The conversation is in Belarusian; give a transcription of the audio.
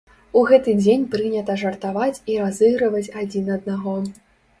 У гэты дзень прынята жартаваць і разыгрываць адзін аднаго.